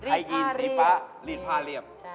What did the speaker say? ไอยีนสีฟ้ารีดผ้าเรียบ